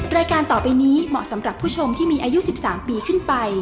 รายการต่อไปนี้เหมาะสำหรับผู้ชมที่มีอายุ๑๓ปีขึ้นไป